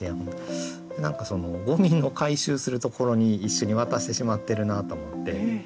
何かゴミの回収するところに一緒に渡してしまってるなと思って。